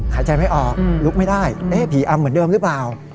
หายใจไม่ออกลุกไม่ได้ผีอำเหมือนเดิมหรือเปล่า